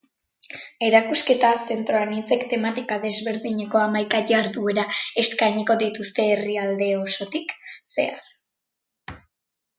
Erakusketa zentro anitzek tematika desberdineko hamaika jarduera eskainiko dituzte herrialde osotik zehar.